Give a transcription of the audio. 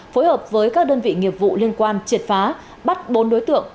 phối hợp với các đơn vị nghiệp vụ liên quan triệt phá bắt bốn đối tượng